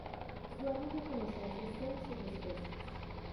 Suelen reconocerse seis subespecies.